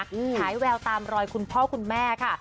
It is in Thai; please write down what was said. ฉายแววตามรอยคุณพ่อคุณแม่ค่ะ